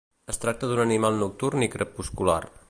Es tracta d'un animal nocturn i crepuscular.